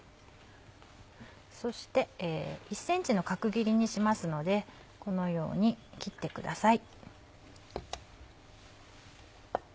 そして１ｃｍの角切りにしますのでこのように切ってください。